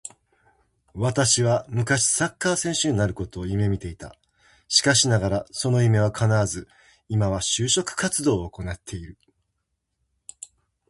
私は昔サッカー選手になることを夢見ていた。しかしながらその夢は叶わず、今は就職活動を行ってる。